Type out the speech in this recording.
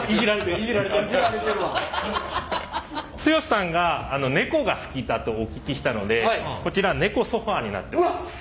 剛さんがネコが好きだとお聞きしたのでこちらネコソファーになってます。